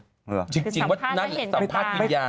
หมี่จริงว่านั่นสะพาดกินยา